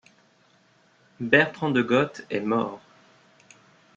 Bertrand de Goth est mort.